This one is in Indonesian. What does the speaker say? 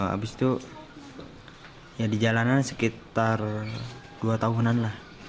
habis itu ya di jalanan sekitar dua tahunan lah